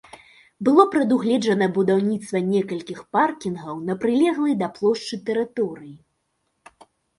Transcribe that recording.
Было прадугледжана будаўніцтва некалькіх паркінгаў на прылеглай да плошчы тэрыторыі.